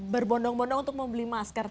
berbondong bondong untuk membeli masker